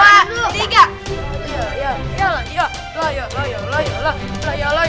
ya lah ya lah ya lah